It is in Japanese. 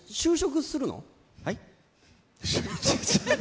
はい？